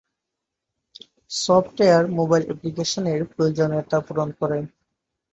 Software mobile অ্যাপ্লিকেশনের প্রয়োজনীয়তা পূরণ করে।